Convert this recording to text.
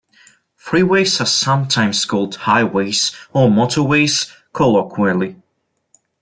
Freeways are sometimes called highways or motorways colloquially.